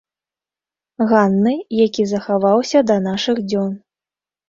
Ганны, які захаваўся да нашых дзён.